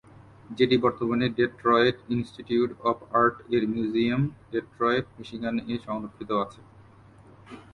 যেটি বর্তমানে Detroit Institute of Art এর মিউজিয়াম, ডেট্রয়েট, মিশিগান এ সংরক্ষিত আছে।